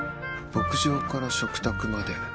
牧場から食卓まで。